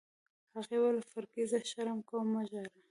هغې وویل: فرګي، زه شرم کوم، مه ژاړه.